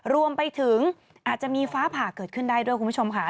รวมไปถึงอาจจะมีฟ้าผ่าเกิดขึ้นได้ด้วยคุณผู้ชมค่ะ